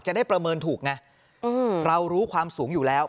ได้ประเมินถูกไงเรารู้ความสูงอยู่แล้ว